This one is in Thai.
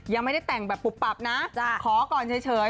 ยังไม่ได้แต่งแบบปุบปับนะขอก่อนเฉย